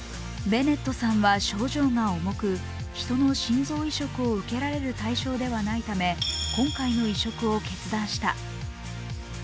ベネットさんは症状が重く人の心臓移植を受けられる対象ではないため今回の移植を決断した。